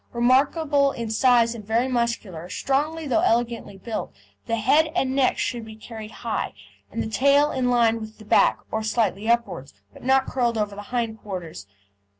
Remarkable in size and very muscular, strongly though elegantly built; the head and neck should be carried high, and the tail in line with the back, or slightly upwards, but not curled over the hind quarters.